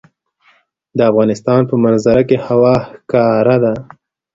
د افغانستان په منظره کې هوا ښکاره ده.